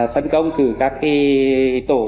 phân công cử các tổ